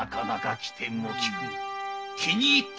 気に入ったぞ。